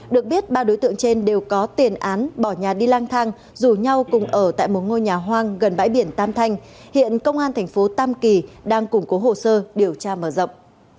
được biết ba đối tượng trên đều có tiền án bỏ nhà đi lang thang rủ nhau cùng ở tại một ngôi nhà hoang gần bãi biển tam thanh hiện công an thành phố tam kỳ đang củng cố hồ sơ điều tra mở rộng